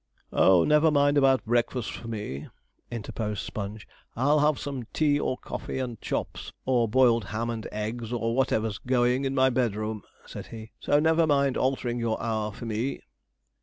'Oh, never mind about breakfast for me,' interposed Sponge, 'I'll have some tea or coffee and chops, or boiled ham and eggs, or whatever's going, in my bedroom,' said he; 'so never mind altering your hour for me.'